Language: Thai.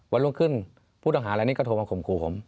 วันรุ่งขึ้นผู้ต้องหาอะไรนี้ก็โทรมาข่มขู่ผม